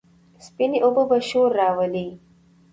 سپينې اوبه به شور راولي،